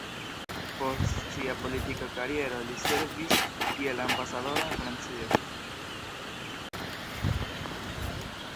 Post sia politika kariero li servis kiel ambasadoro en Francio.